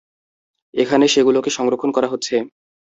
এখানে সেগুলোকে সংরক্ষণ করা হয়েছে।